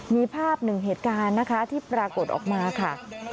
มีภาพหนึ่งเหตุการณ์นะคะที่ปรากฏออกมาค่ะ